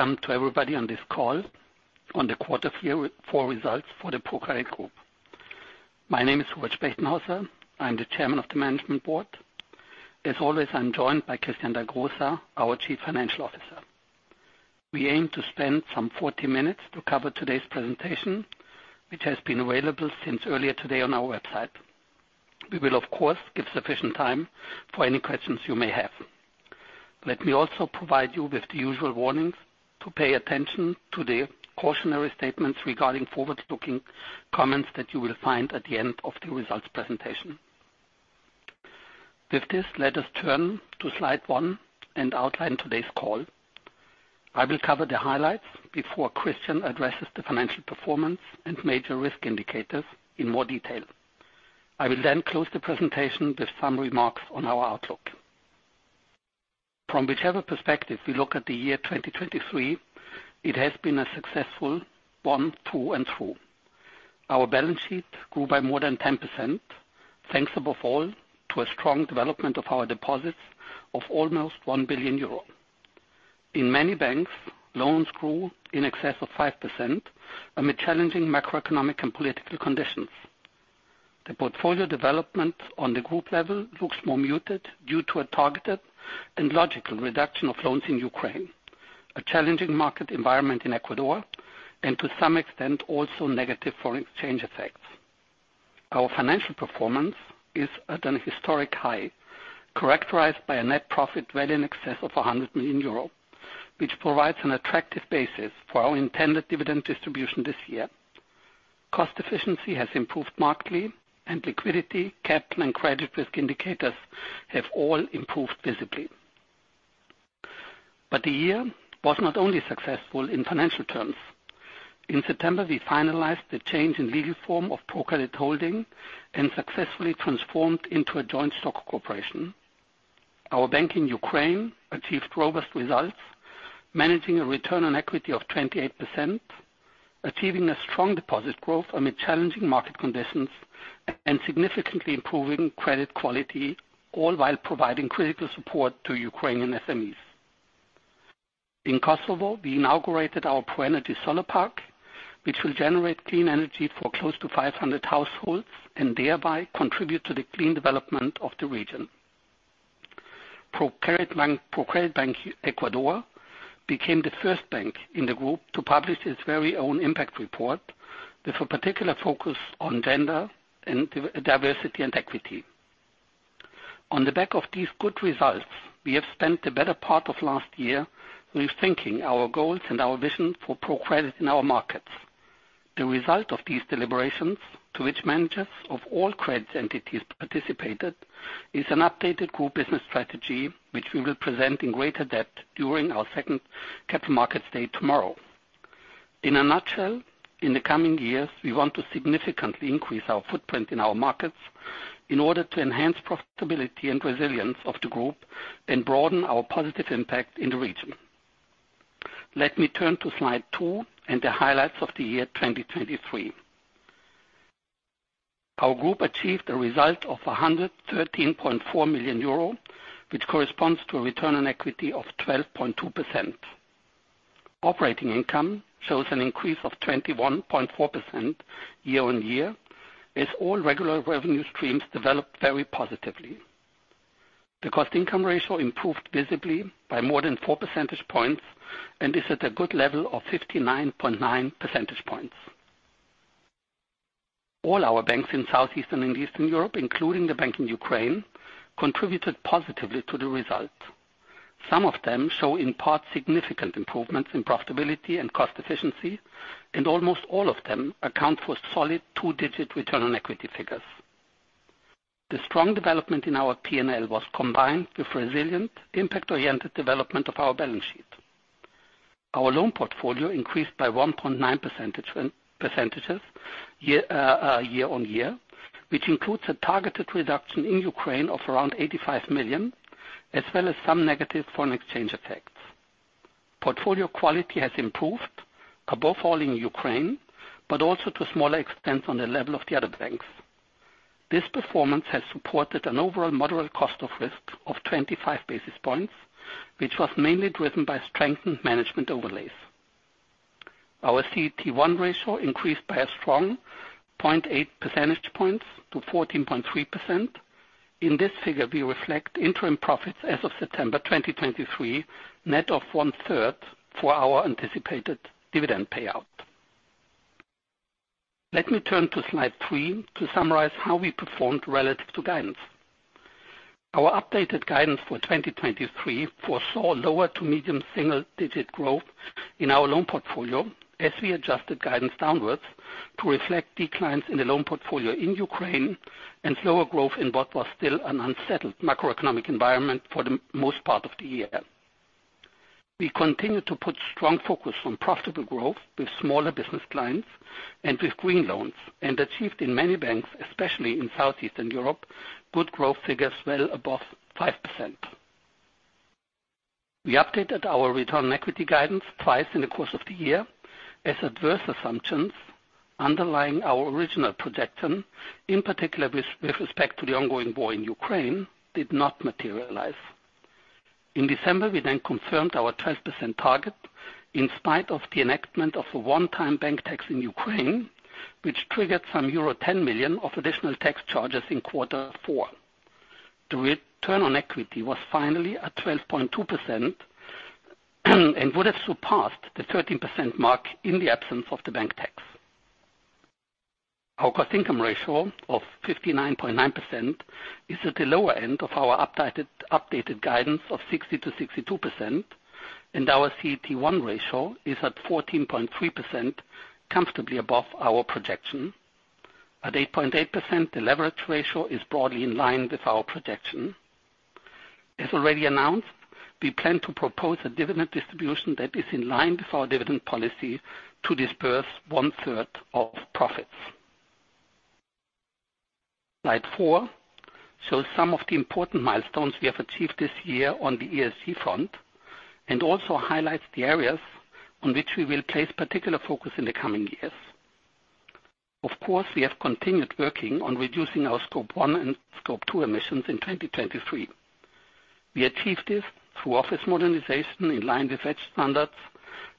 Welcome to everybody on this call on the Q4 results for the ProCredit group. My name is Hubertus Spechtenhauser. I am the Chairman of the Management Board. As always, I am joined by Christian Dagrosa, our Chief Financial Officer. We aim to spend some 40 minutes to cover today's presentation, which has been available since earlier today on our website. We will, of course, give sufficient time for any questions you may have. Let me also provide you with the usual warnings to pay attention to the cautionary statements regarding forward-looking comments that you will find at the end of the results presentation. With this, let us turn to slide one and outline today's call. I will cover the highlights before Christian addresses the financial performance and major risk indicators in more detail. I will then close the presentation with some remarks on our outlook. From whichever perspective we look at the year 2023, it has been a successful one through and through. Our balance sheet grew by more than 10%, thanks above all to a strong development of our deposits of almost 1 billion euro. In many banks, loans grew in excess of 5% amid challenging macroeconomic and political conditions. The portfolio development on the group level looks more muted due to a targeted and logical reduction of loans in Ukraine, a challenging market environment in Ecuador, and to some extent, also negative FX movements. Our financial performance is at an historic high, characterized by a net profit well in excess of 100 million euro, which provides an attractive basis for our intended dividend distribution this year. Cost efficiency has improved markedly, and liquidity, capital, and credit risk indicators have all improved visibly. The year was not only successful in financial terms. In September, we finalized the change in legal form of ProCredit Holding and successfully transformed into a joint-stock company. Our bank in Ukraine achieved robust results, managing a return on equity of 28%, achieving a strong deposit growth amid challenging market conditions, and significantly improving credit quality, all while providing critical support to Ukrainian SMEs. In Kosovo, we inaugurated our ProEnergy solar park, which will generate clean energy for close to 500 households and thereby contribute to the clean development of the region. Banco ProCredit Ecuador became the first bank in the group to publish its very own impact report with a particular focus on gender and diversity and equity. On the back of these good results, we have spent the better part of last year rethinking our goals and our vision for ProCredit group in our markets. The result of these deliberations, to which managers of all credit entities participated, is an updated group business strategy, which we will present in greater depth during our second Capital Markets Day tomorrow. In a nutshell, in the coming years, we want to significantly increase our footprint in our markets in order to enhance profitability and resilience of the group and broaden our positive impact in the region. Let me turn to slide two and the highlights of the year 2023. Our group achieved a result of 113.4 million euro, which corresponds to a return on equity of 12.2%. Operating income shows an increase of 21.4% year-on-year as all regular revenue streams developed very positively. The cost income ratio improved visibly by more than 4 percentage points and is at a good level of 59.9 percentage points. All our banks in Southeastern and Eastern Europe, including the bank in Ukraine, contributed positively to the result. Some of them show, in part, significant improvements in profitability and cost efficiency, and almost all of them account for solid two-digit return on equity figures. The strong development in our P&L was combined with resilient impact-oriented development of our balance sheet. Our loan portfolio increased by 1.9 percentage points year-on-year, which includes a targeted reduction in Ukraine of around 85 million, as well as some negative foreign exchange effects. Portfolio quality has improved above all in Ukraine, but also to a smaller extent on the level of the other banks. This performance has supported an overall moderate cost of risk of 25 basis points, which was mainly driven by strengthened management overlays. Our CET1 ratio increased by a strong 0.8 percentage points to 14.3%. In this figure, we reflect interim profits as of September 2023, net of one-third for our anticipated dividend payout. Let me turn to slide three to summarize how we performed relative to guidance. Our updated guidance for 2023 foresaw lower to medium single-digit growth in our loan portfolio as we adjusted guidance downwards to reflect declines in the loan portfolio in Ukraine and slower growth in what was still an unsettled macroeconomic environment for the most part of the year. We continued to put strong focus on profitable growth with smaller business clients and with green loans, and achieved in many banks, especially in Southeastern Europe, good growth figures well above 5%. We updated our return on equity guidance twice in the course of the year. As adverse assumptions underlying our original projection, in particular with respect to the ongoing war in Ukraine, did not materialize. In December, we confirmed our 12% target in spite of the enactment of a one-time bank tax in Ukraine, which triggered some euro 10 million of additional tax charges in quarter four. The return on equity was finally at 12.2% and would have surpassed the 13% mark in the absence of the bank tax. Our cost income ratio of 59.9% is at the lower end of our updated guidance of 60%-62%, and our CET1 ratio is at 14.3%, comfortably above our projection. At 8.8%, the leverage ratio is broadly in line with our projection. As already announced, we plan to propose a dividend distribution that is in line with our dividend policy to disperse one third of profits. Slide four shows some of the important milestones we have achieved this year on the ESG front, and also highlights the areas on which we will place particular focus in the coming years. Of course, we have continued working on reducing our Scope 1 and Scope 2 emissions in 2023. We achieved this through office modernization in line with EDGE standards,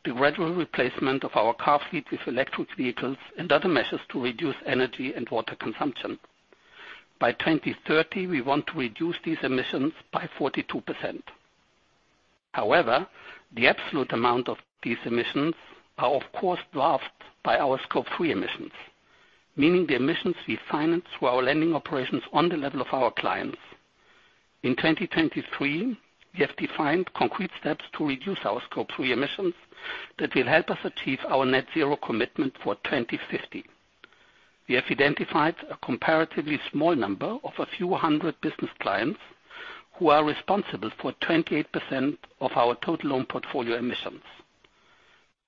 the gradual replacement of our car fleet with electric vehicles, and other measures to reduce energy and water consumption. By 2030, we want to reduce these emissions by 42%. However, the absolute amount of these emissions are of course dwarfed by our Scope 3 emissions, meaning the emissions we finance through our lending operations on the level of our clients. In 2023, we have defined concrete steps to reduce our Scope 3 emissions that will help us achieve our net zero commitment for 2050. We have identified a comparatively small number of a few 100 business clients who are responsible for 28% of our total loan portfolio emissions.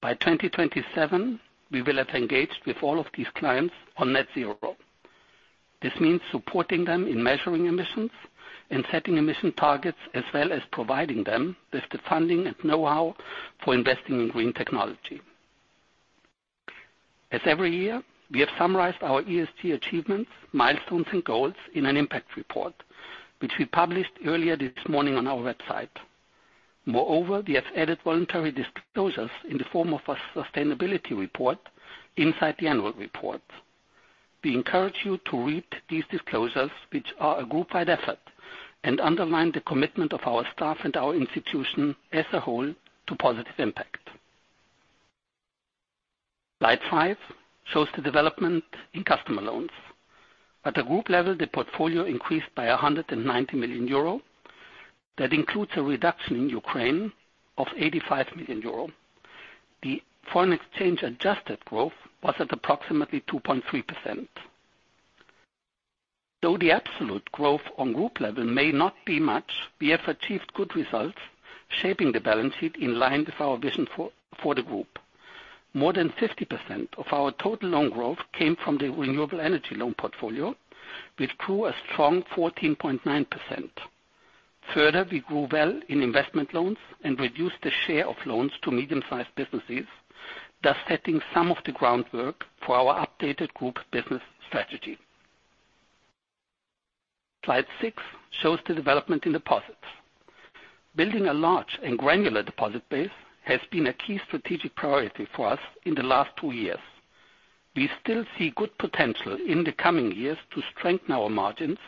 By 2027, we will have engaged with all of these clients on net zero. This means supporting them in measuring emissions and setting emission targets, as well as providing them with the funding and knowhow for investing in green technology. As every year, we have summarized our ESG achievements, milestones, and goals in an impact report, which we published earlier this morning on our website. Moreover, we have added voluntary disclosures in the form of a sustainability report inside the annual report. We encourage you to read these disclosures, which are a group-wide effort and underline the commitment of our staff and our institution as a whole to positive impact. Slide five shows the development in customer loans. At the group level, the portfolio increased by 190 million euro. That includes a reduction in Ukraine of 85 million euro. The foreign exchange-adjusted growth was at approximately 2.3%. Though the absolute growth on group level may not be much, we have achieved good results shaping the balance sheet in line with our vision for the group. More than 50% of our total loan growth came from the renewable energy loan portfolio, which grew a strong 14.9%. Further, we grew well in investment loans and reduced the share of loans to medium-sized businesses, thus setting some of the groundwork for our updated group business strategy. Slide six shows the development in deposits. Building a large and granular deposit base has been a key strategic priority for us in the last two years. We still see good potential in the coming years to strengthen our margins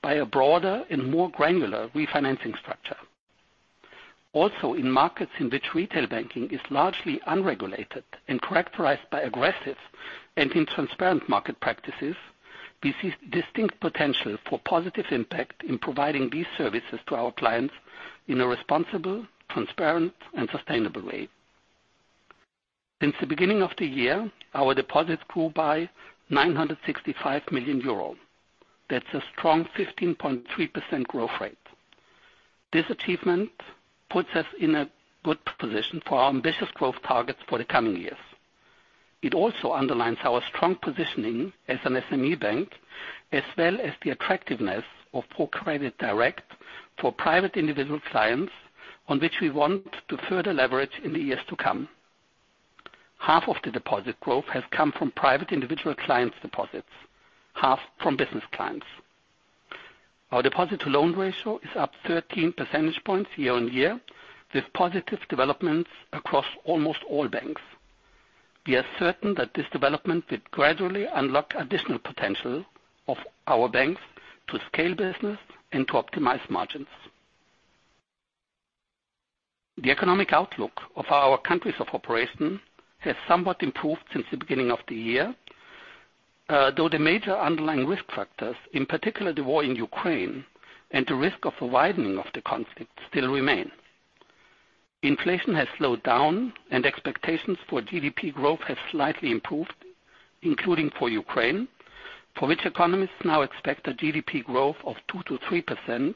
by a broader and more granular refinancing structure. Also, in markets in which retail banking is largely unregulated and characterized by aggressive and intransparent market practices, we see distinct potential for positive impact in providing these services to our clients in a responsible, transparent, and sustainable way. Since the beginning of the year, our deposits grew by 965 million euro. That's a strong 15.3% growth rate. This achievement puts us in a good position for our ambitious growth targets for the coming years. It also underlines our strong positioning as an SME bank, as well as the attractiveness of ProCredit Direct for private individual clients on which we want to further leverage in the years to come. Half of the deposit growth has come from private individual clients deposits, half from business clients. Our deposit to loan ratio is up 13 percentage points year-on-year, with positive developments across almost all banks. We are certain that this development will gradually unlock additional potential of our banks to scale business and to optimize margins. The economic outlook of our countries of operation has somewhat improved since the beginning of the year, though the major underlying risk factors, in particular the war in Ukraine and the risk of a widening of the conflict, still remain. Inflation has slowed down and expectations for GDP growth have slightly improved, including for Ukraine, for which economists now expect a GDP growth of 2%-3%,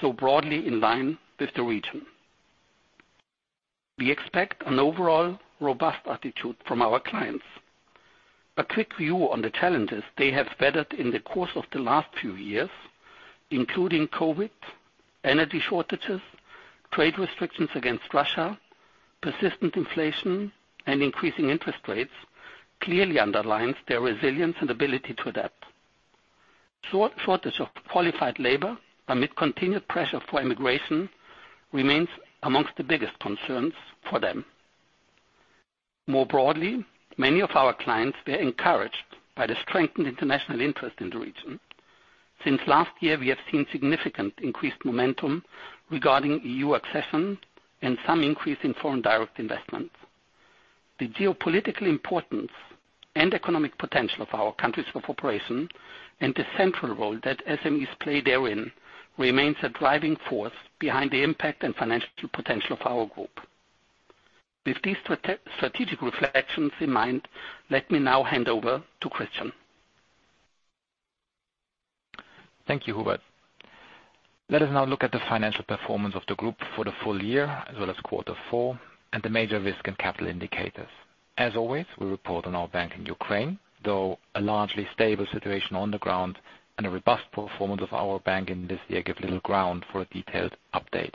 so broadly in line with the region. We expect an overall robust attitude from our clients. A quick view on the challenges they have weathered in the course of the last few years, including COVID, energy shortages, trade restrictions against Russia, persistent inflation, and increasing interest rates, clearly underlines their resilience and ability to adapt. Shortage of qualified labor amid continued pressure for immigration remains amongst the biggest concerns for them. More broadly, many of our clients were encouraged by the strengthened international interest in the region. Since last year, we have seen significant increased momentum regarding EU accession and some increase in foreign direct investment. The geopolitical importance and economic potential of our countries of operation and the central role that SMEs play therein, remains a driving force behind the impact and financial potential of our group. With these strategic reflections in mind, let me now hand over to Christian. Thank you, Hubertus. Let us now look at the financial performance of the group for the full year as well as quarter four, and the major risk and capital indicators. As always, we report on our bank in Ukraine, though a largely stable situation on the ground and a robust performance of our bank in this year give little ground for a detailed update.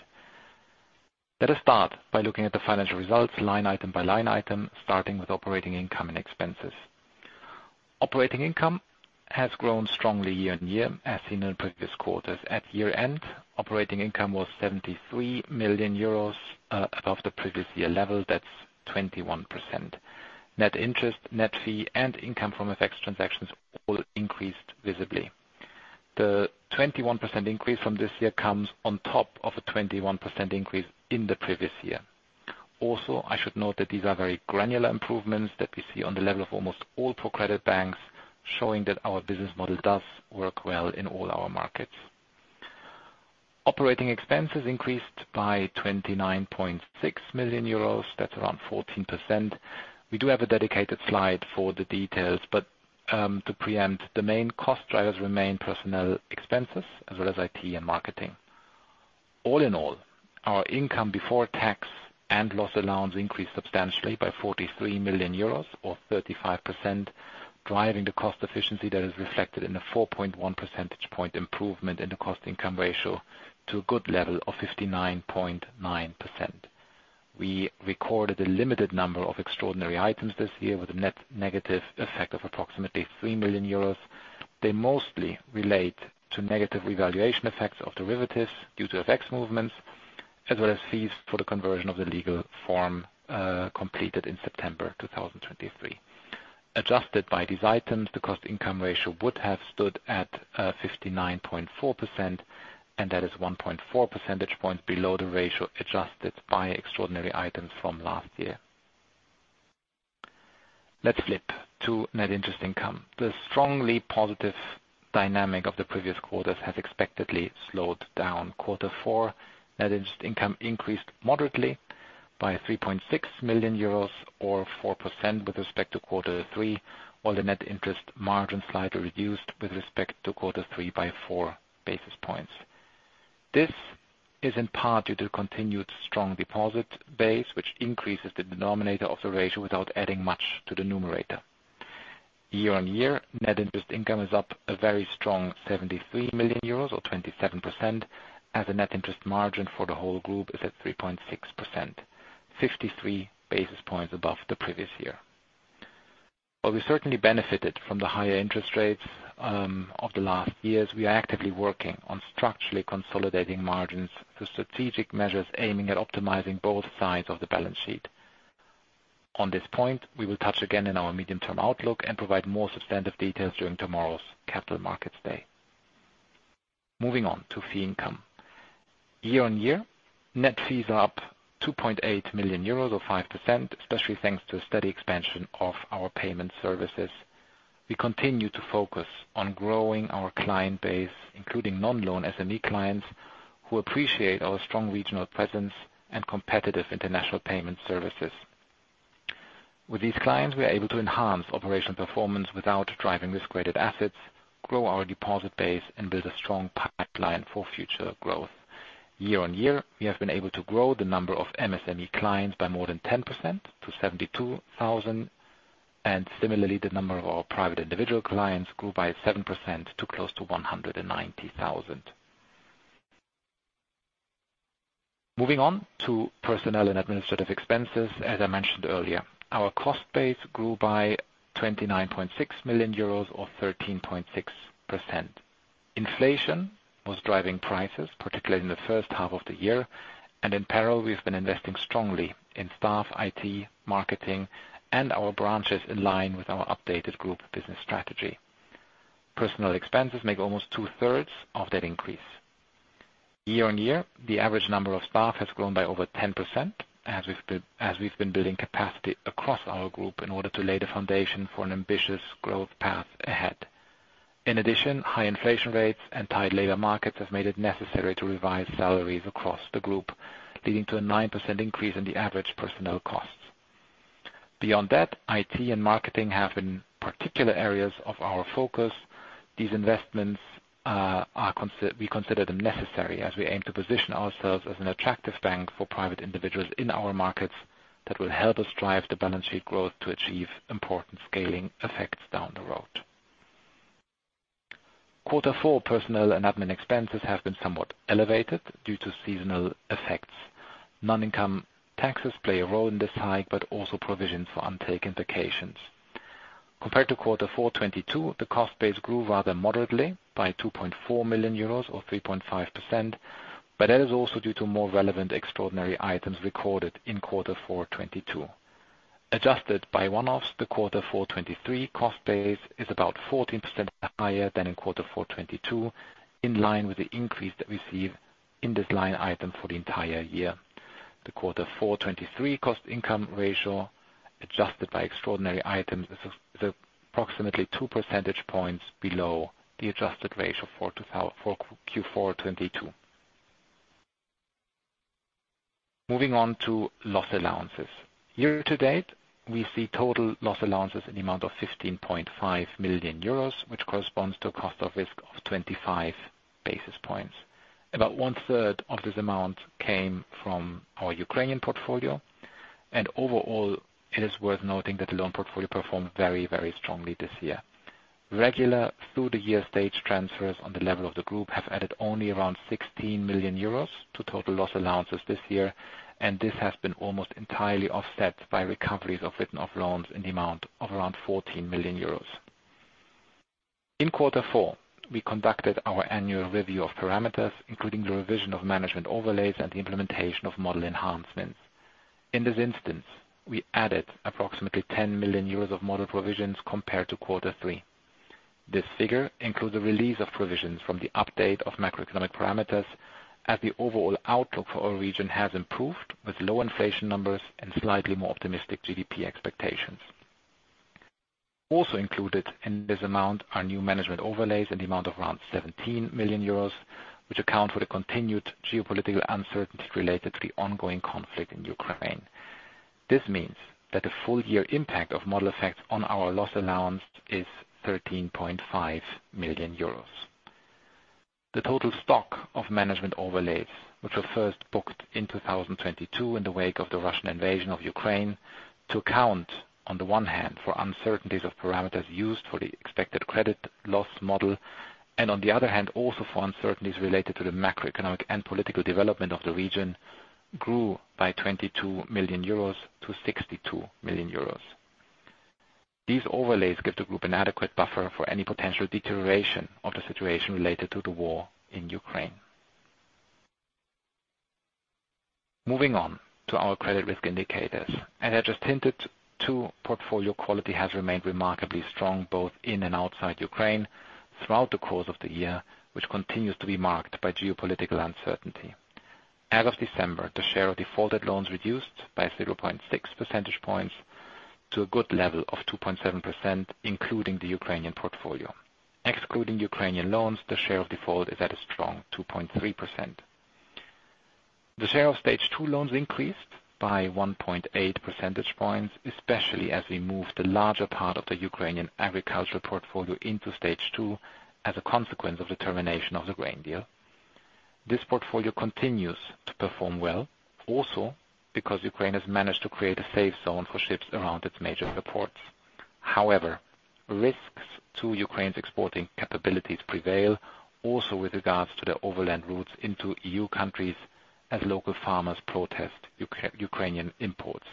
Let us start by looking at the financial results line item by line item, starting with operating income and expenses. Operating income has grown strongly year-on-year as seen in previous quarters. At year end, operating income was 73 million euros above the previous year level, that's 21%. Net interest, net fee, and income from FX transactions all increased visibly. The 21% increase from this year comes on top of a 21% increase in the previous year. Also, I should note that these are very granular improvements that we see on the level of almost all ProCredit banks, showing that our business model does work well in all our markets. Operating expenses increased by 29.6 million euros, that's around 14%. We do have a dedicated slide for the details, but to preempt, the main cost drivers remain personnel expenses as well as IT and marketing. All in all, our income before tax and loss allowance increased substantially by 43 million euros or 35%, driving the cost efficiency that is reflected in a 4.1 percentage point improvement in the cost income ratio to a good level of 59.9%. We recorded a limited number of extraordinary items this year with a net negative effect of approximately 3 million euros. They mostly relate to negative revaluation effects of derivatives due to FX movements, as well as fees for the conversion of the legal form completed in September 2023. Adjusted by these items, the cost income ratio would have stood at 59.4%, and that is 1.4 percentage points below the ratio adjusted by extraordinary items from last year. Let's flip to net interest income. The strongly positive dynamic of the previous quarters has expectedly slowed down quarter four. Net interest income increased moderately by 3.6 million euros or 4% with respect to quarter three, while the net interest margin slightly reduced with respect to quarter three by four basis points. This is in part due to continued strong deposit base, which increases the denominator of the ratio without adding much to the numerator. Year-on-year, net interest income is up a very strong 73 million euros or 27%, as the net interest margin for the whole group is at 3.6%, 53 basis points above the previous year. While we certainly benefited from the higher interest rates of the last years, we are actively working on structurally consolidating margins through strategic measures aiming at optimizing both sides of the balance sheet. On this point, we will touch again in our medium-term outlook and provide more substantive details during tomorrow's Capital Markets Day. Moving on to fee income. Year-on-year, net fees are up 2.8 million euros or 5%, especially thanks to a steady expansion of our payment services. We continue to focus on growing our client base, including non-loan SME clients who appreciate our strong regional presence and competitive international payment services. With these clients, we are able to enhance operational performance without driving risk-rated assets, grow our deposit base, and build a strong pipeline for future growth. Year-on-year, we have been able to grow the number of MSME clients by more than 10% to 72,000, and similarly, the number of our private individual clients grew by 7% to close to 190,000. Moving on to personnel and administrative expenses. As I mentioned earlier, our cost base grew by 29.6 million euros or 13.6%. Inflation was driving prices, particularly in the first half of the year, and in parallel, we've been investing strongly in staff, IT, marketing, and our branches in line with our updated group business strategy. Personnel expenses make almost two-thirds of that increase. Year-on-year, the average number of staff has grown by over 10% as we've been building capacity across our group in order to lay the foundation for an ambitious growth path ahead. In addition, high inflation rates and tight labor markets have made it necessary to revise salaries across the group, leading to a 9% increase in the average personnel costs. Beyond that, IT and marketing have been particular areas of our focus. These investments, we consider them necessary as we aim to position ourselves as an attractive bank for private individuals in our markets that will help us drive the balance sheet growth to achieve important scaling effects down the road. Quarter four personnel and admin expenses have been somewhat elevated due to seasonal effects. Non-income taxes play a role in this hike, but also provisions for untaken vacations. Compared to quarter four 2022, the cost base grew rather moderately by 2.4 million euros or 3.5%, but that is also due to more relevant extraordinary items recorded in quarter four 2022. Adjusted by one-offs, the quarter four 2023 cost base is about 14% higher than in quarter four 2022, in line with the increase that we see in this line item for the entire year. The Quarter four 2023 cost income ratio, adjusted by extraordinary items, is approximately 2 percentage points below the adjusted ratio for Q4 2022. Moving on to loss allowances. Year-to-date, we see total loss allowances in the amount of 15.5 million euros, which corresponds to a cost of risk of 25 basis points. About one-third of this amount came from our Ukrainian portfolio, and overall, it is worth noting that the loan portfolio performed very strongly this year. Regular through-the-year stage transfers on the level of the group have added only around 16 million euros to total loss allowances this year. This has been almost entirely offset by recoveries of written-off loans in the amount of around 14 million euros. In quarter four, we conducted our annual review of parameters, including the revision of management overlays and the implementation of model enhancements. In this instance, we added approximately 10 million euros of model provisions compared to quarter three. This figure includes a release of provisions from the update of macroeconomic parameters as the overall outlook for our region has improved with low inflation numbers and slightly more optimistic GDP expectations. Also included in this amount are new management overlays in the amount of around 17 million euros, which account for the continued geopolitical uncertainty related to the ongoing conflict in Ukraine. This means that the full year impact of model effects on our loss allowance is 13.5 million euros. The total stock of management overlays, which were first booked in 2022 in the wake of the Russian invasion of Ukraine, to account on the one hand for uncertainties of parameters used for the expected credit loss model, and on the other hand, also for uncertainties related to the macroeconomic and political development of the region, grew by 22 million euros to 62 million euros. These overlays give the group an adequate buffer for any potential deterioration of the situation related to the war in Ukraine. Moving on to our credit risk indicators. As I just hinted to, portfolio quality has remained remarkably strong both in and outside Ukraine throughout the course of the year, which continues to be marked by geopolitical uncertainty. As of December, the share of defaulted loans reduced by 0.6 percentage points to a good level of 2.7%, including the Ukrainian portfolio. Excluding Ukrainian loans, the share of default is at a strong 2.3%. The share of Stage 2 loans increased by 1.8 percentage points, especially as we moved the larger part of the Ukrainian agricultural portfolio into Stage 2 as a consequence of the termination of the grain deal. This portfolio continues to perform well, also because Ukraine has managed to create a safe zone for ships around its major ports. However, risks to Ukraine's exporting capabilities prevail also with regards to the overland routes into EU countries as local farmers protest Ukrainian imports.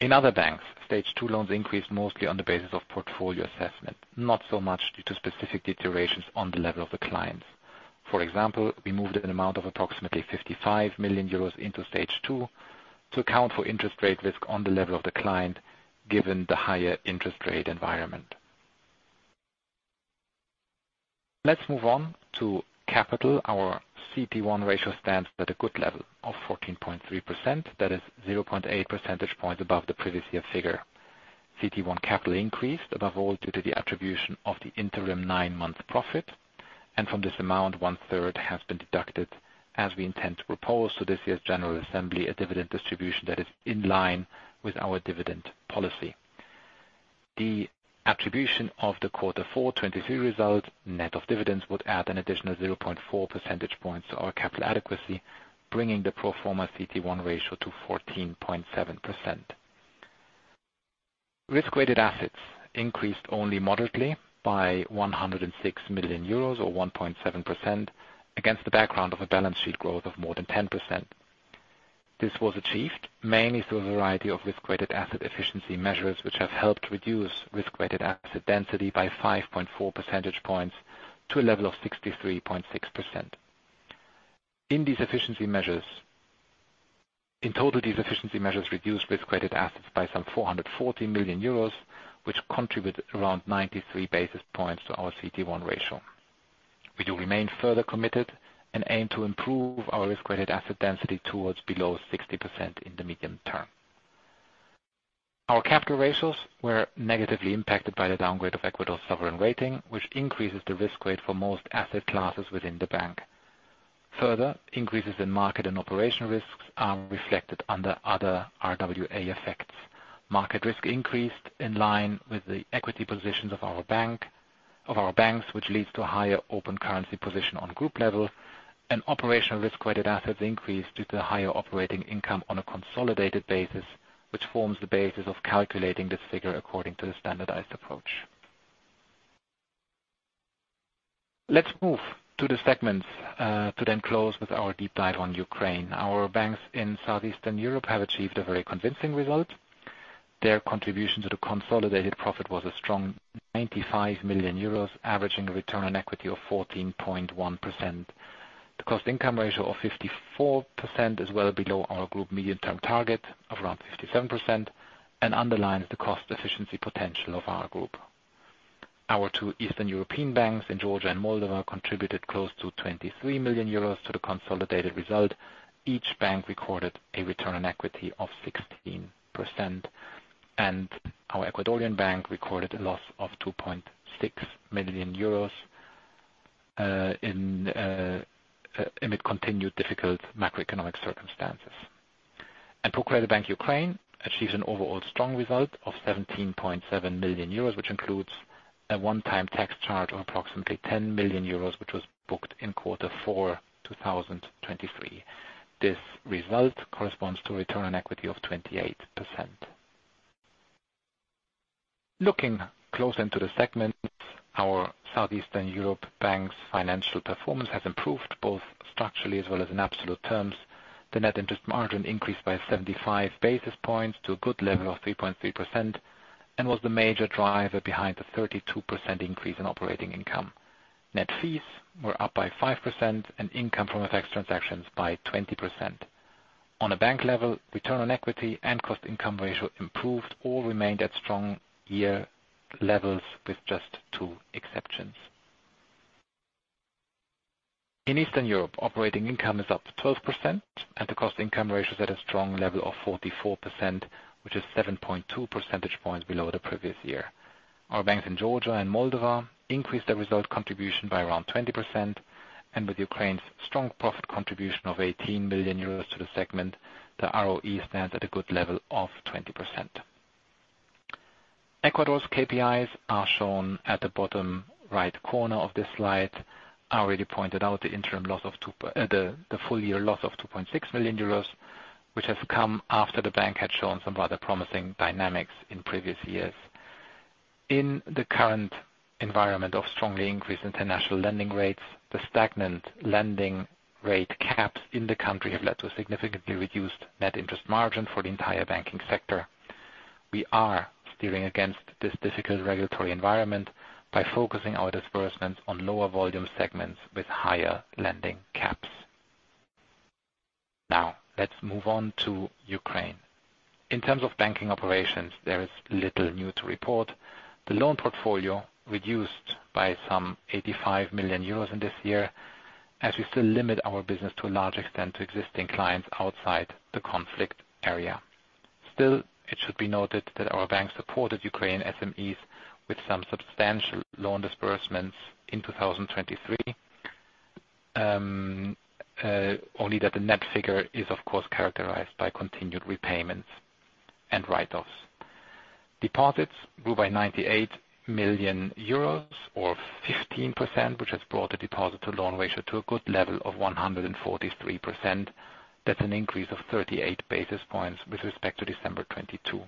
In other banks, Stage 2 loans increased mostly on the basis of portfolio assessment, not so much due to specific deteriorations on the level of the clients. For example, we moved an amount of approximately 55 million euros into Stage 2 to account for interest rate risk on the level of the client, given the higher interest rate environment. Let's move on to capital. Our CET1 ratio stands at a good level of 14.3%. That is 0.8 percentage points above the previous year figure. CET1 capital increased above all due to the attribution of the interim nine-month profit. From this amount, one-third has been deducted as we intend to propose to this year's general assembly a dividend distribution that is in line with our dividend policy. The attribution of the quarter four 2023 result, net of dividends, would add an additional 0.4 percentage points to our capital adequacy, bringing the pro forma CET1 ratio to 14.7%. Risk-weighted assets increased only moderately by 106 million euros or 1.7% against the background of a balance sheet growth of more than 10%. This was achieved mainly through a variety of risk-weighted asset efficiency measures, which have helped reduce risk-weighted asset density by 5.4 percentage points to a level of 63.6%. In total, these efficiency measures reduced risk-weighted assets by some 440 million euros, which contributed around 93 basis points to our CET1 ratio. We do remain further committed and aim to improve our risk-weighted asset density towards below 60% in the medium term. Our capital ratios were negatively impacted by the downgrade of Ecuador's sovereign rating, which increases the risk rate for most asset classes within the bank. Further increases in market and operational risks are reflected under other RWA effects. Market risk increased in line with the equity positions of our banks, which leads to a higher open currency position on group level, and operational risk-weighted assets increased due to higher operating income on a consolidated basis, which forms the basis of calculating this figure according to the standardized approach. Let's move to the segments to then close with our deep dive on Ukraine. Our banks in Southeastern Europe have achieved a very convincing result. Their contribution to the consolidated profit was a strong 95 million euros, averaging a return on equity of 14.1%. The cost income ratio of 54% is well below our group medium-term target of around 57% and underlines the cost efficiency potential of our group. Our two Eastern European banks in Georgia and Moldova contributed close to 23 million euros to the consolidated result. Each bank recorded a return on equity of 16%, and our Ecuadorian bank recorded a loss of 2.6 million euros amid continued difficult macroeconomic circumstances. ProCredit Bank Ukraine achieves an overall strong result of 17.7 million euros, which includes a one-time tax charge of approximately 10 million euros, which was booked in quarter four 2023. This result corresponds to a return on equity of 28%. Looking closer into the segments, our Southeastern Europe banks financial performance has improved both structurally as well as in absolute terms. The net interest margin increased by 75 basis points to a good level of 3.3% and was the major driver behind the 32% increase in operating income. Net fees were up by 5% and income from FX transactions by 20%. On a bank level, return on equity and cost income ratio improved or remained at strong year levels with just two exceptions. In Eastern Europe, operating income is up 12% and the cost income ratio is at a strong level of 44%, which is 7.2 percentage points below the previous year. Our banks in Georgia and Moldova increased their result contribution by around 20%, and with Ukraine's strong profit contribution of 18 million euros to the segment, the ROE stands at a good level of 20%. Ecuador's KPIs are shown at the bottom right corner of this slide. I already pointed out the full year loss of 2.6 million euros, which has come after the bank had shown some rather promising dynamics in previous years. In the current environment of strongly increased international lending rates, the stagnant lending rate caps in the country have led to a significantly reduced net interest margin for the entire banking sector. We are steering against this difficult regulatory environment by focusing our disbursements on lower volume segments with higher lending caps. Now, let's move on to Ukraine. In terms of banking operations, there is little new to report. The loan portfolio reduced by some 85 million euros in this year, as we still limit our business to a large extent to existing clients outside the conflict area. Still, it should be noted that our bank supported Ukrainian SMEs with some substantial loan disbursements in 2023. Only that the net figure is, of course, characterized by continued repayments and write-offs. Deposits grew by 98 million euros or 15%, which has brought the deposit to loan ratio to a good level of 143%. That's an increase of 38 basis points with respect to December 2022.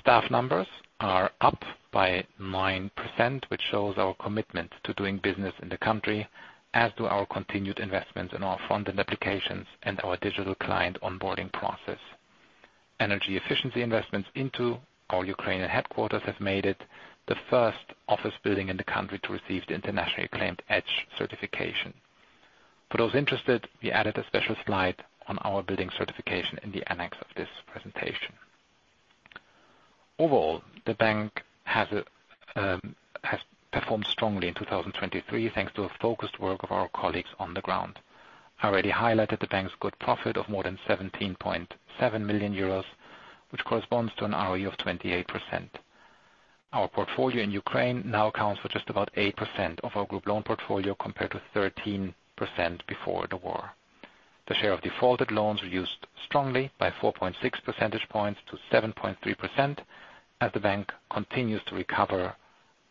Staff numbers are up by 9%, which shows our commitment to doing business in the country, as do our continued investments in our front-end applications and our digital client onboarding process. Energy efficiency investments into our Ukrainian headquarters have made it the first office building in the country to receive the internationally acclaimed EDGE certification. For those interested, we added a special slide on our building certification in the annex of this presentation. Overall, the bank has performed strongly in 2023, thanks to the focused work of our colleagues on the ground. I already highlighted the bank's good profit of more than 17.7 million euros, which corresponds to an ROE of 28%. Our portfolio in Ukraine now accounts for just about 8% of our group loan portfolio, compared to 13% before the war. The share of defaulted loans reduced strongly by 4.6 percentage points to 7.3% as the bank continues to recover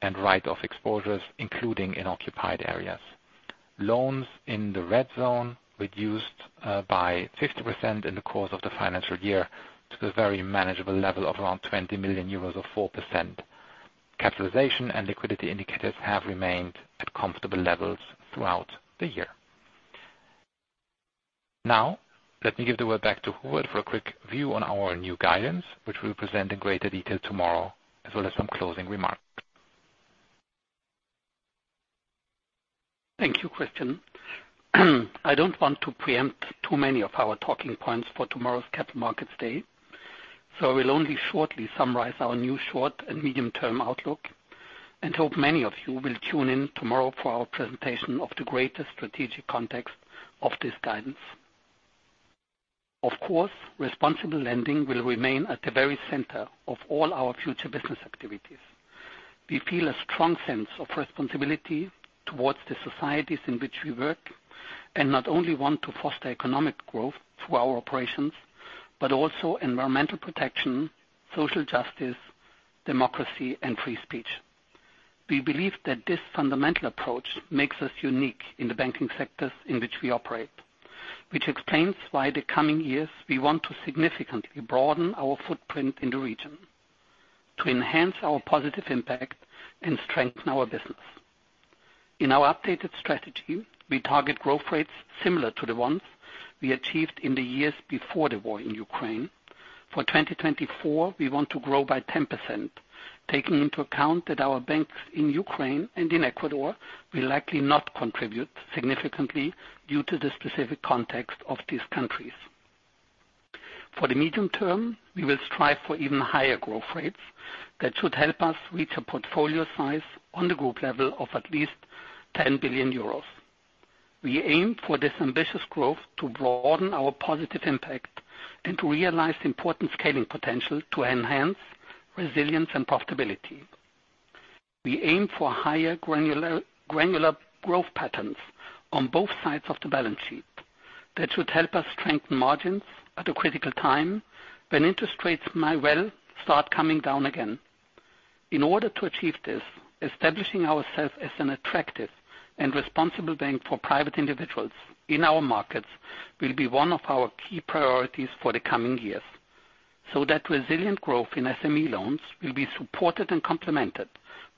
and write off exposures, including in occupied areas. Loans in the red zone reduced by 50% in the course of the financial year to the very manageable level of around 20 million euros or 4%. Capitalization and liquidity indicators have remained at comfortable levels throughout the year. Now, let me give the word back to Hubertus for a quick view on our new guidance, which we'll present in greater detail tomorrow, as well as some closing remarks. Thank you, Christian. I don't want to preempt too many of our talking points for tomorrow's Capital Markets Day, so I will only shortly summarize our new short and medium-term outlook and hope many of you will tune in tomorrow for our presentation of the greater strategic context of this guidance. Of course, responsible lending will remain at the very center of all our future business activities. We feel a strong sense of responsibility towards the societies in which we work, and not only want to foster economic growth through our operations, but also environmental protection, social justice, democracy and free speech. We believe that this fundamental approach makes us unique in the banking sectors in which we operate. Which explains why the coming years, we want to significantly broaden our footprint in the region to enhance our positive impact and strengthen our business. In our updated strategy, we target growth rates similar to the ones we achieved in the years before the war in Ukraine. For 2024, we want to grow by 10%, taking into account that our banks in Ukraine and in Ecuador will likely not contribute significantly due to the specific context of these countries. For the medium term, we will strive for even higher growth rates that should help us reach a portfolio size on the group level of at least 10 billion euros. We aim for this ambitious growth to broaden our positive impact and to realize the important scaling potential to enhance resilience and profitability. We aim for higher granular growth patterns on both sides of the balance sheet that should help us strengthen margins at a critical time when interest rates may well start coming down again. In order to achieve this, establishing ourselves as an attractive and responsible bank for private individuals in our markets will be one of our key priorities for the coming years, so that resilient growth in SME loans will be supported and complemented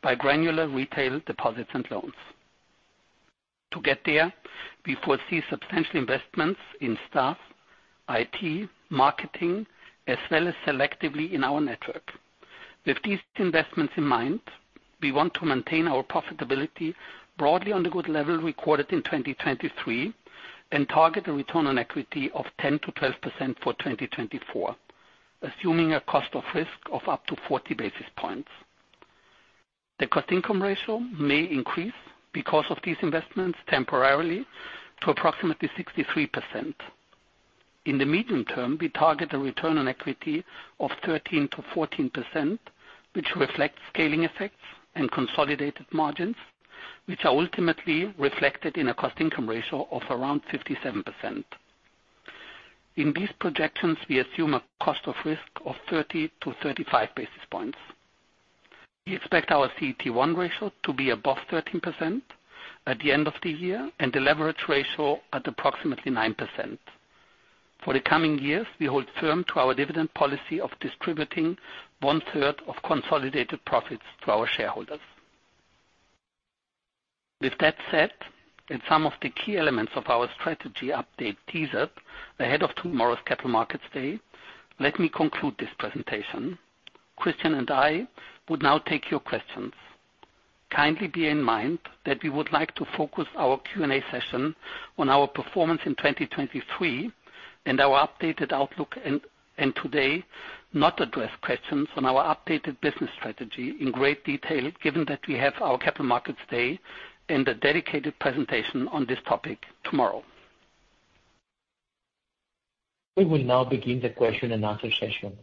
by granular retail deposits and loans. To get there, we foresee substantial investments in staff, IT, marketing, as well as selectively in our network. With these investments in mind, we want to maintain our profitability broadly on the good level recorded in 2023, and target a return on equity of 10%-12% for 2024, assuming a cost of risk of up to 40 basis points. The cost income ratio may increase because of these investments temporarily to approximately 63%. In the medium term, we target a return on equity of 13%-14%, which reflects scaling effects and consolidated margins, which are ultimately reflected in a cost income ratio of around 57%. In these projections, we assume a cost of risk of 30 basis points-35 basis points. We expect our CET1 ratio to be above 13% at the end of the year, and the leverage ratio at approximately 9%. For the coming years, we hold firm to our dividend policy of distributing one third of consolidated profits to our shareholders. With that said, and some of the key elements of our strategy update teased, ahead of tomorrow's Capital Markets Day, let me conclude this presentation. Christian and I would now take your questions. Kindly bear in mind that we would like to focus our Q&A session on our performance in 2023 and our updated outlook, and today not address questions on our updated business strategy in great detail, given that we have our Capital Markets Day and a dedicated presentation on this topic tomorrow. We will now begin the question and answer session.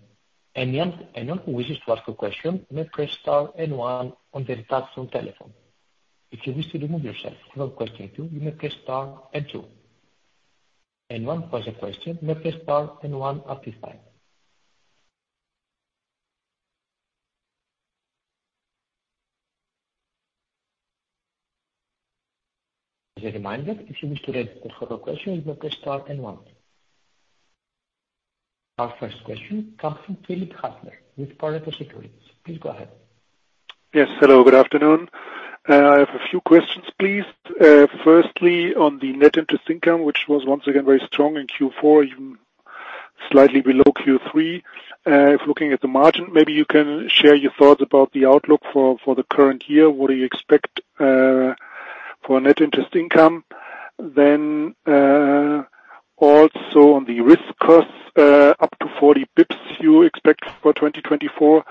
Anyone who wishes to ask a question may press star and one on their touchtone telephone. If you wish to remove yourself from question two, you may press star and two. One person question, may press star and one at this time. As a reminder, if you wish to raise a further question, you may press star and one. Our first question comes from Philipp Hässler with Berenberg Securities. Please go ahead. Yes. Hello, good afternoon. I have a few questions, please. Firstly, on the net interest income, which was once again very strong in Q4, even slightly below Q3. If looking at the margin, maybe you can share your thoughts about the outlook for the current year. What do you expect for net interest income? Also on the risk costs, up to 40 basis points you expect for 2024.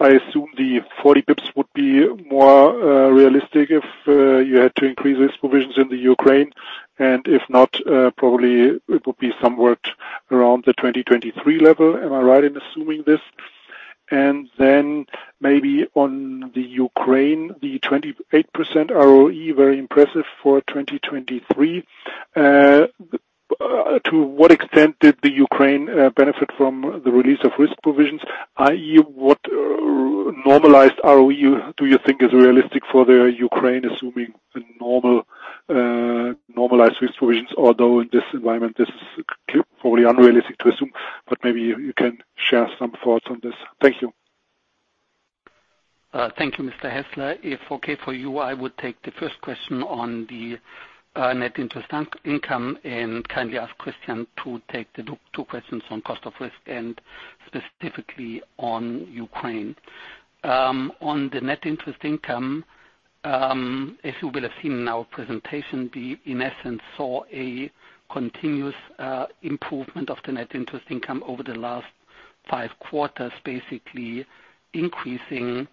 I assume the 40 basis points would be more realistic if you had to increase risk provisions in the Ukraine, and if not, probably it would be somewhere around the 2023 level. Am I right in assuming this? Then maybe on the Ukraine, the 28% ROE, very impressive for 2023. To what extent did the Ukraine benefit from the release of risk provisions? I.e., what normalized ROE do you think is realistic for the Ukraine assuming a normalized risk provisions? Although in this environment, this is probably unrealistic to assume, maybe you can share some thoughts on this. Thank you. Thank you, Mr. Hässler. If okay for you, I would take the first question on the net interest income, and kindly ask Christian to take the two questions on cost of risk and specifically on the Ukraine. On the net interest income, if you will have seen in our presentation, we in essence saw a continuous improvement of the net interest income over the last five quarters basically increasing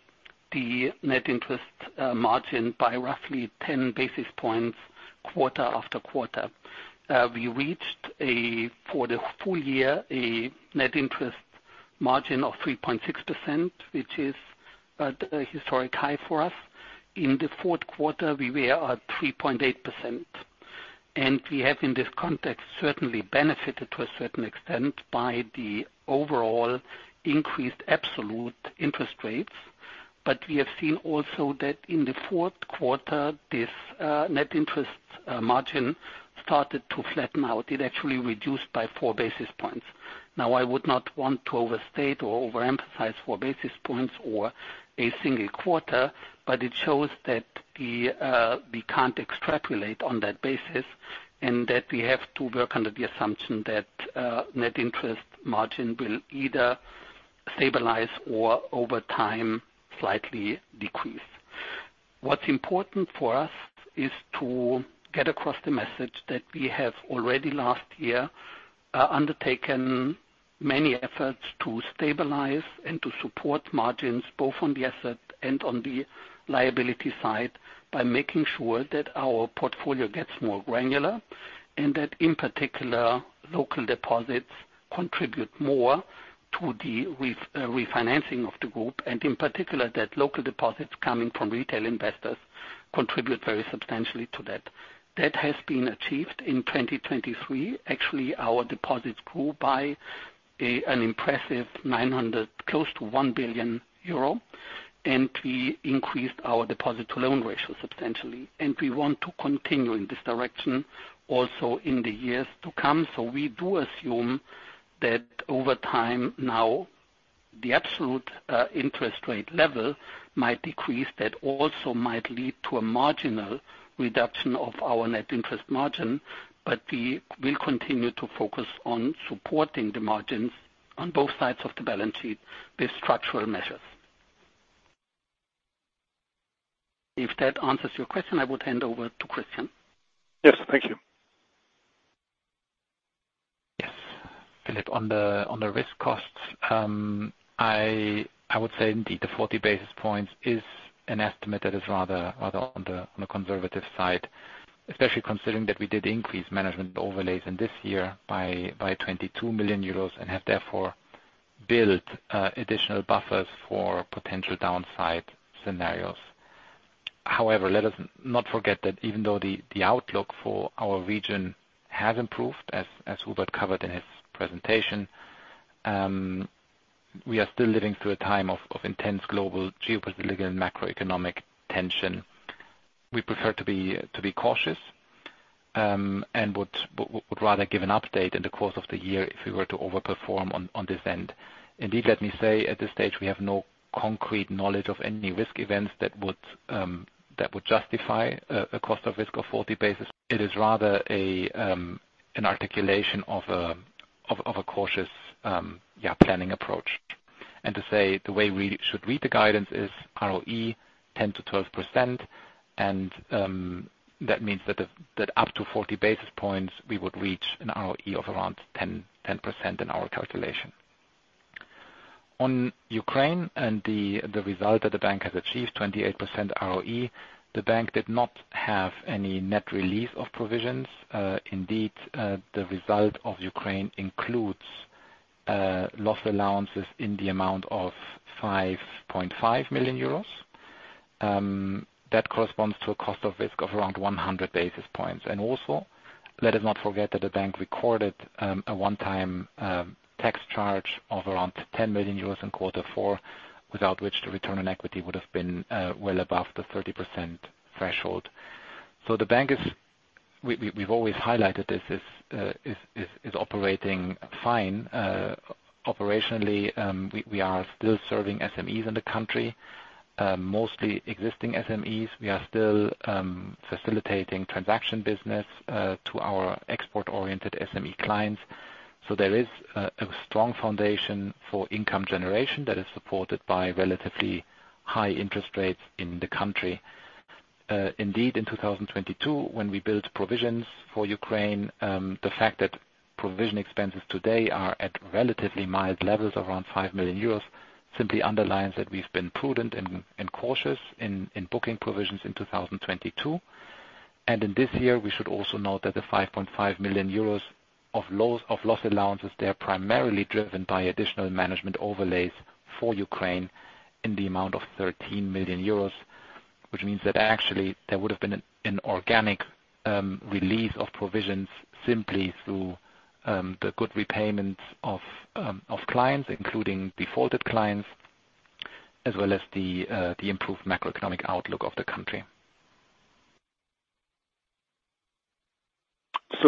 the net interest margin by roughly 10 basis points quarter after quarter. We reached, for the full year, a net interest margin of 3.6%, which is at a historic high for us. In the fourth quarter, we were at 3.8%, and we have, in this context, certainly benefited to a certain extent by the overall increased absolute interest rates. We have seen also that in the fourth quarter, this net interest margin started to flatten out. I would not want to overstate or overemphasize 4 basis points or a single quarter, but it shows that we can't extrapolate on that basis, and that we have to work under the assumption that net interest margin will either stabilize or, over time, slightly decrease. What's important for us is to get across the message that we have actually last year, undertaken many efforts to stabilize and to support margins, both on the asset and on the liability side, by making sure that our portfolio gets more granular and that, in particular, local deposits contribute more to the refinancing of the group, and in particular, that local deposits coming from retail investors contribute very substantially to that. That has been achieved in 2023. Actually, our deposits grew by an impressive 900, close to 1 billion euro, We increased our deposit to loan ratio substantially. We want to continue in this direction also in the years to come. We do assume that over time now the absolute interest rate level might decrease. That also might lead to a marginal reduction of our net interest margin, We will continue to focus on supporting the margins on both sides of the balance sheet with structural measures. If that answers your question, I would hand over to Christian. Yes. Thank you. Yes. Philipp, on the risk costs, I would say indeed the 40 basis points is an estimate that is rather on the conservative side, especially considering that we did increase management overlays in this year by 22 million euros and have therefore built additional buffers for potential downside scenarios. However, let us not forget that even though the outlook for our region has improved, as Hubertus covered in his presentation, we are still living through a time of intense global geopolitical and macroeconomic tension. We prefer to be cautious, and would rather give an update in the course of the year if we were to over-perform on this end. Indeed, let me say at this stage, we have no concrete knowledge of any risk events that would justify a cost of risk of 40 basis. It is rather an articulation of a cautious planning approach. To say the way we should read the guidance is ROE 10%-12%, and that means that up to 40 basis points, we would reach an ROE of around 10% in our calculation. On Ukraine and the result that the bank has achieved, 28% ROE, the bank did not have any net release of provisions. Indeed, the result of Ukraine includes loss allowances in the amount of 5.5 million euros. That corresponds to a cost of risk of around 100 basis points. Also, let us not forget that the bank recorded a one-time tax charge of around 10 million euros in quarter four, without which the return on equity would have been well above the 30% threshold. The bank, we've always highlighted this, is operating fine operationally. We are still serving SMEs in the country, mostly existing SMEs. We are still facilitating transaction business to our export-oriented SME clients. There is a strong foundation for income generation that is supported by relatively high interest rates in the country. Indeed, in 2022, when we built provisions for Ukraine, the fact that provision expenses today are at relatively mild levels of around 5 million euros simply underlines that we've been prudent and cautious in booking provisions in 2022. In this year, we should also note that the 5.5 million euros of loss allowances, they are primarily driven by additional management overlays for Ukraine in the amount of 13 million euros, which means that actually there would have been an organic release of provisions simply through the good repayments of clients, including defaulted clients, as well as the improved macroeconomic outlook of the country.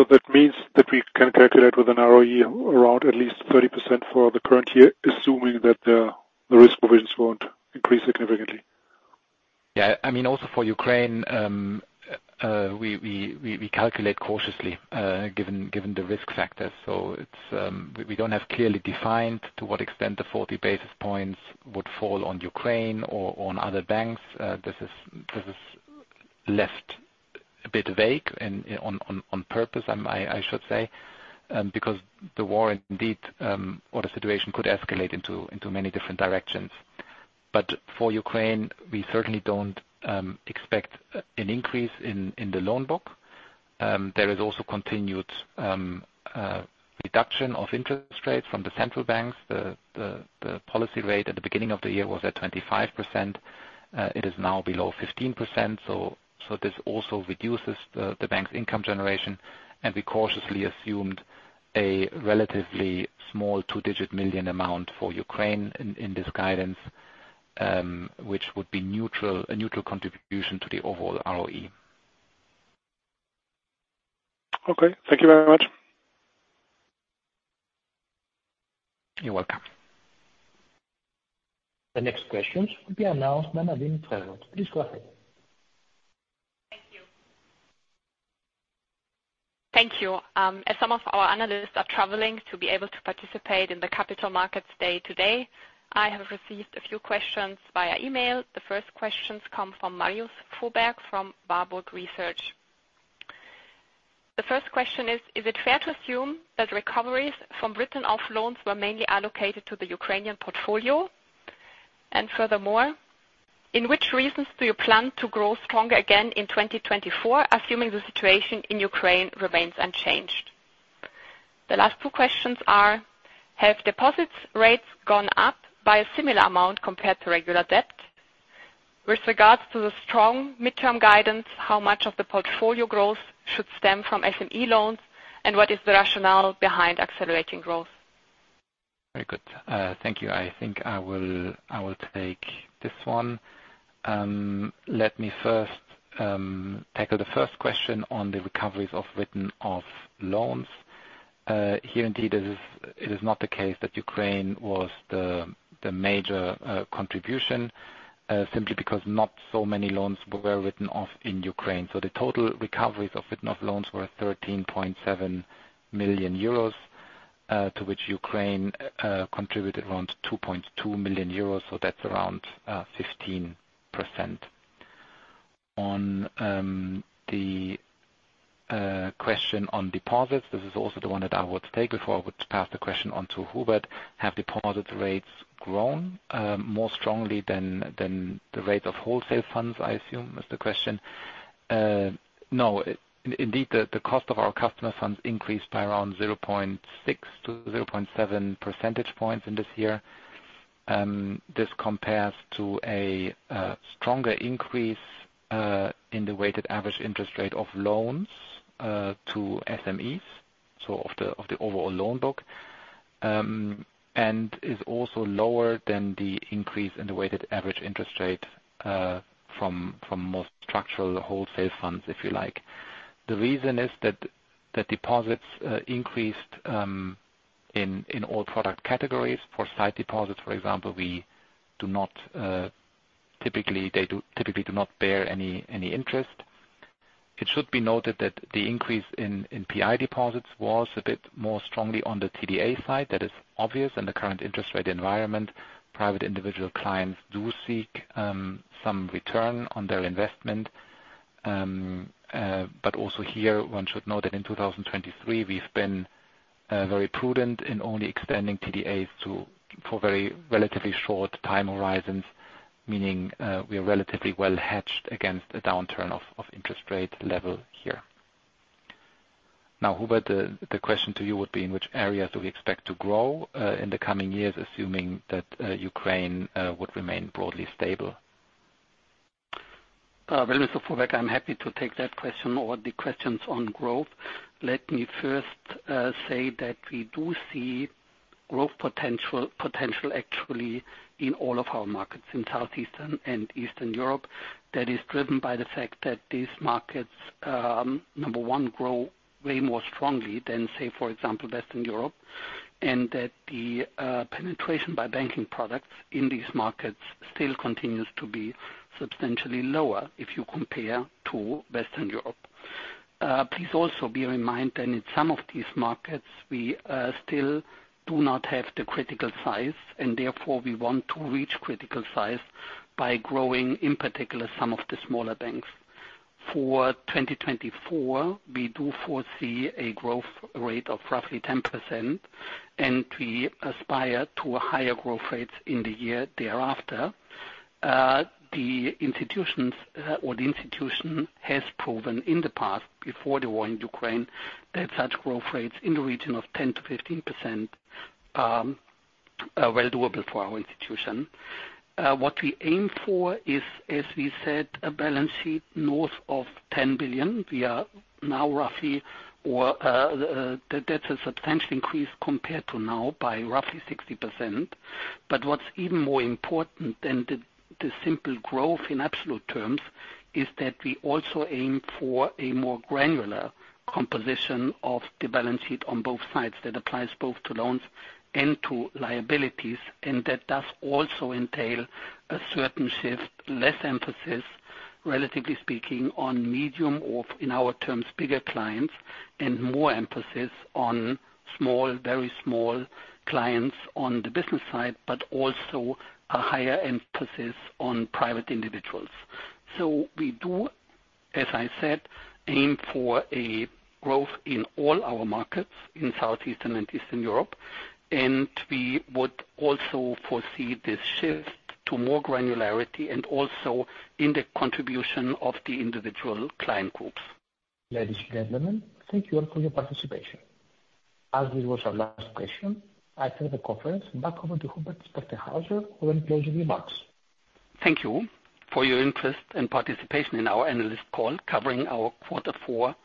That means that we can calculate with an ROE around at least 30% for the current year, assuming that the risk provisions won't increase significantly? Yeah. Also for Ukraine, we calculate cautiously, given the risk factors. We don't have clearly defined to what extent the 40 basis points would fall on Ukraine or on other banks. This is left a bit vague and on purpose, I should say, because the war indeed, or the situation, could escalate into many different directions. For Ukraine, we certainly don't expect an increase in the loan book. There is also continued reduction of interest rates from the central banks. The policy rate at the beginning of the year was at 25%. It is now below 15%. This also reduces the bank's income generation, and we cautiously assumed a relatively small two-digit million amount for Ukraine in this guidance, which would be a neutral contribution to the overall ROE. Okay. Thank you very much. You're welcome. The next questions will be announced by Nadine Traut. Please go ahead. Thank you. Thank you. As some of our analysts are traveling to be able to participate in the Capital Markets Day today, I have received a few questions via email. The first questions come from Marius Fuhrberg from Warburg Research. The first question is: Is it fair to assume that recoveries from written-off loans were mainly allocated to the Ukrainian portfolio? Furthermore, in which regions do you plan to grow stronger again in 2024, assuming the situation in Ukraine remains unchanged? The last two questions are: Have deposits rates gone up by a similar amount compared to regular debt? With regards to the strong midterm guidance, how much of the portfolio growth should stem from SME loans? What is the rationale behind accelerating growth? Very good. Thank you. I think I will take this one. Let me first tackle the first question on the recoveries of written-off loans. Here, indeed, it is not the case that Ukraine was the major contribution, simply because not so many loans were written off in Ukraine. The total recoveries of written-off loans were 13.7 million euros, to which Ukraine contributed around 2.2 million euros, so that's around 15%. On the question on deposits, this is also the one that I would take before I would pass the question on to Hubertus. Have deposit rates grown more strongly than the rate of wholesale funds, I assume is the question. No. Indeed, the cost of our customer funds increased by around 0.6 percentage points-0.7 percentage points in this year. This compares to a stronger increase in the weighted average interest rate of loans to SMEs, so of the overall loan book, and is also lower than the increase in the weighted average interest rate from more structural wholesale funds, if you like. The reason is that deposits increased in all product categories. For sight deposits, for example, they typically do not bear any interest. It should be noted that the increase in PI deposits was a bit more strongly on the TDA side. That is obvious in the current interest rate environment. Private individual clients do seek some return on their investment. Also here, one should note that in 2023, we've been very prudent in only extending TDAs for very relatively short time horizons, meaning we are relatively well hedged against a downturn of interest rate level here. Now, Hubertus, the question to you would be: In which areas do we expect to grow in the coming years, assuming that Ukraine would remain broadly stable? Well, Mr. Fuhrberg, I'm happy to take that question or the questions on growth. Let me first say that we do see growth potential actually in all of our markets in Southeastern and Eastern Europe. That is driven by the fact that these markets, number one, grow way more strongly than, say, for example, Western Europe, and that the penetration by banking products in these markets still continues to be substantially lower if you compare to Western Europe. Please also bear in mind that in some of these markets, we still do not have the critical size, and therefore, we want to reach critical size by growing, in particular, some of the smaller banks. For 2024, we do foresee a growth rate of roughly 10%, and we aspire to higher growth rates in the year thereafter. The institution has proven in the past, before the war in Ukraine, that such growth rates in the region of 10%-15% are well doable for our institution. What we aim for is, as we said, a balance sheet north of 10 billion. That's a substantial increase compared to now by roughly 60%. What's even more important than the simple growth in absolute terms is that we also aim for a more granular composition of the balance sheet on both sides. That applies both to loans and to liabilities, and that does also entail a certain shift, less emphasis, relatively speaking, on medium or, in our terms, bigger clients, and more emphasis on small, very small clients on the business side, but also a higher emphasis on private individuals. We do, as I said, aim for a growth in all our markets in Southeastern and Eastern Europe, and we would also foresee this shift to more granularity and also in the contribution of the individual client groups. Ladies and gentlemen, thank you all for your participation. As this was our last question, I turn the conference back over to Hubertus Spechtenhauser for any closing remarks. Thank you for your interest and participation in our analyst call covering our quarter four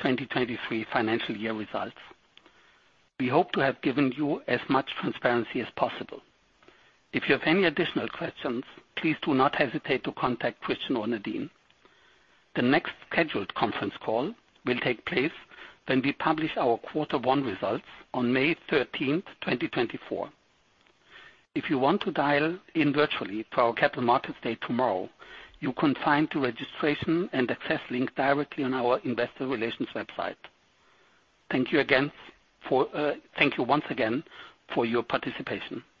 2023 financial year results. We hope to have given you as much transparency as possible. If you have any additional questions, please do not hesitate to contact Christian or Nadine. The next scheduled conference call will take place when we publish our quarter one results on May 13th, 2024. If you want to dial in virtually for our Capital Markets Day tomorrow, you can find the registration and access link directly on our investor relations website. Thank you once again for your participation. Thank you.